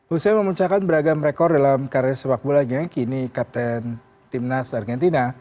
usia memencahkan beragam rekor dalam karir sepak bola yang kini kapten timnas argentina